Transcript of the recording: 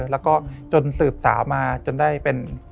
แล้วก็จนสืบสาวมาจนได้เป็น